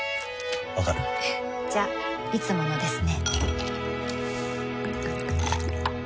わかる？じゃいつものですね